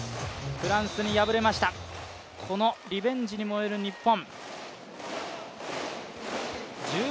フランスに敗れましたリベンジに燃える日本。